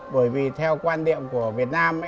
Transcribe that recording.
bởi vì theo quan điểm của việt nam